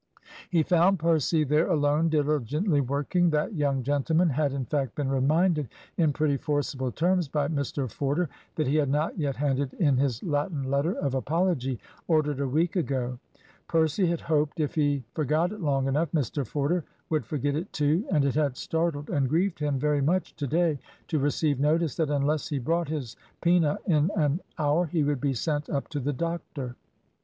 He found Percy there alone, diligently working. That young gentleman had in fact been reminded in pretty forcible terms by Mr Forder that he had not yet handed in his Latin letter of apology ordered a week ago. Percy had hoped if he forgot it long enough Mr Forder would forget it too, and it had startled and grieved him very much to day to receive notice that unless he brought his poena in an hour he would be sent up to the doctor.